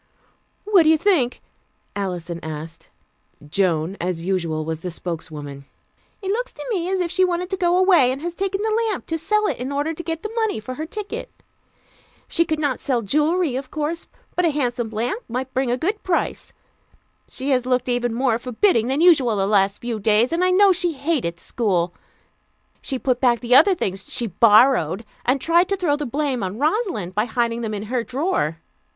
"What do you think?" Alison asked. Joan, as usual, was the spokeswoman. "It looks to me as if she wanted to go away, and has taken the lamp to sell it in order to get the money for her ticket. She could not sell jewelry, of course, but a handsome lamp might bring a good price. She has looked even more forbidding than usual the last few days, and I know she hated school. She put back the other things she 'borrowed,' and tried to throw the blame on Rosalind by hiding them in her drawer.